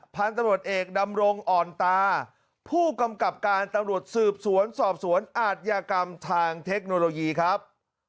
พันธุ์ตำรวจเอกดำรงอ่อนตาผู้กำกับการตำรวจสืบสวนสอบสวนอาทยากรรมทางเทคโนโลยีครับ